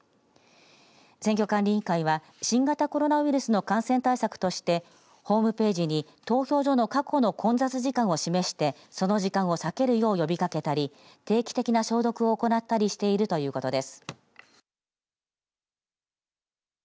選挙管理委員会は新型コロナウイルスの感染対策としてホームページに投票所の過去の混雑時間を示してその時間を避けるよう呼びかけたり定期的な消毒を行ったりしているということです。